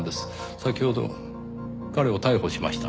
先ほど彼を逮捕しました。